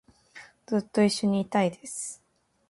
ずっと一緒にいたいです